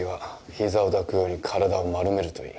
膝を抱くように体を丸めるといい